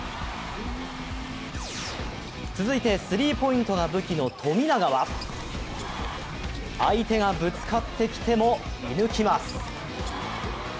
続いてスリーポイントが武器の富永は相手がぶつかってきても射ぬきます。